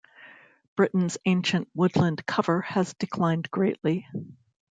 Britain's ancient woodland cover has declined greatly.